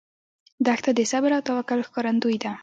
دښته د صبر او توکل ښکارندوی ده.